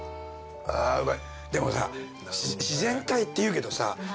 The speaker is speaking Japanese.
でもさ自然体っていうけどさ。